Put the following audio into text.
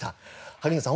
萩野さん